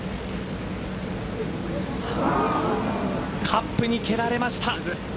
カップに蹴られました。